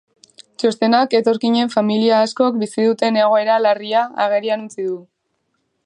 Txostenak etorkinen familia askok bizi duten egoera larria agerian utzi du.